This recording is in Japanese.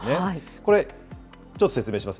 これ、ちょっと説明しますね。